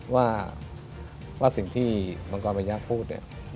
ว่าสิ่งที่มังกรบัญญักษ์พูด